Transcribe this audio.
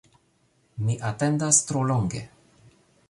Mi atendas tro longe